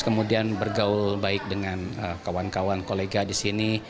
kemudian bergaul baik dengan kawan kawan kolega di sini